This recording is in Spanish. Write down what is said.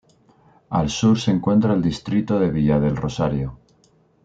Al sur se encuentra el distrito de Villa del Rosario.